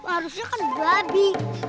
harusnya kan babi